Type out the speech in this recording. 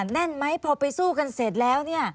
แน่นไหมพอไปสู้กันเสร็จแล้ว